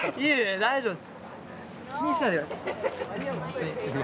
大丈夫です。